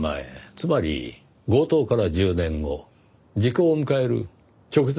つまり強盗から１０年後時効を迎える直前でした。